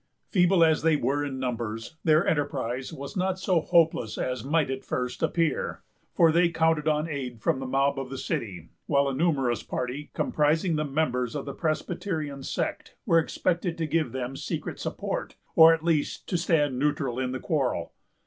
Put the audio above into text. Feeble as they were in numbers, their enterprise was not so hopeless as might at first appear, for they counted on aid from the mob of the city, while a numerous party, comprising the members of the Presbyterian sect, were expected to give them secret support, or at least to stand neutral in the quarrel.